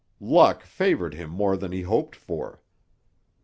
Luck favoured him more than he hoped for.